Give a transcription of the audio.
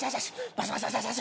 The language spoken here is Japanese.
バサバサバサ。